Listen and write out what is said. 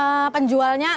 nih mumpung penjualnya